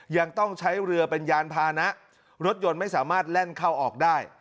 ยังต้องใช้เรือเป็นยานพานะรถยนต์ไม่สามารถแล่นเข้าออกได้